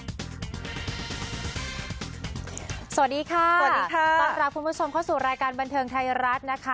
สวัสดีค่ะสวัสดีค่ะต้อนรับคุณผู้ชมเข้าสู่รายการบันเทิงไทยรัฐนะคะ